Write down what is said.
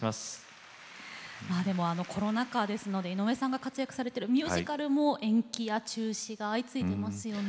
でもコロナ禍ですので井上さんが活躍されてるミュージカルも延期や中止が相次いでいますよね。